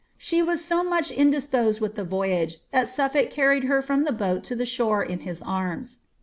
She was so much indisposed with the voyage, that Suff()lk carried her from the boat to the shore in his arms.